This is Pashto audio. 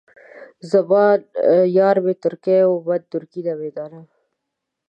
زبان یار من ترکي ومن ترکي نمیدانم.